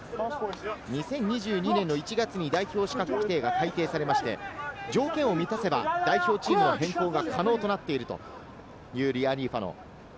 ２０２２年の１月に代表資格の規定が改定されまして、条件を満たせば代表チームの変更が可能となっているというリアリーファノ。